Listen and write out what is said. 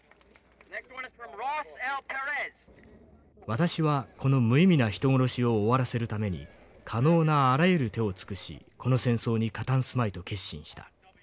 「私はこの無意味な人殺しを終わらせるために可能なあらゆる手を尽くしこの戦争に加担すまいと決心した。